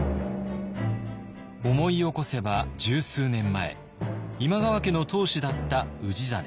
思い起こせば十数年前今川家の当主だった氏真。